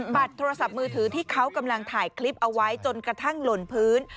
โทรศัพท์มือถือที่เขากำลังถ่ายคลิปเอาไว้จนกระทั่งหล่นพื้น